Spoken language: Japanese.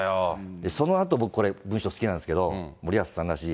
そのあと、僕、このあとの文章好きなんですけど、森保さんらしい。